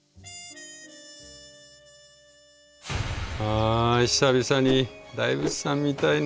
あ久々に大仏さん見たいな。